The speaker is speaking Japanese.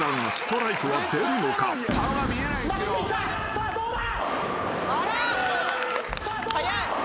さあどうだ？